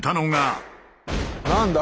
何だ？